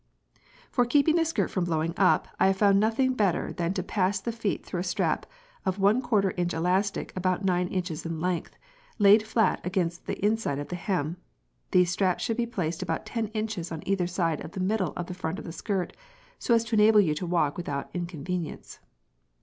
p> For keeping the skirt from blowing up, I havefound nothing better than to pass the feet through a strap of ¼ inch elastic, about nine inches in length, laid flat against the inside of the hem. These straps should be placed about ten inches on either side of the middle of front of skirt, so as to enable you to walk without inconvenience.